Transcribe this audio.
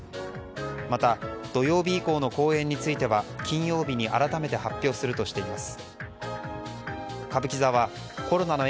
また土曜日以降の公演については金曜日に改めて発表するとしています。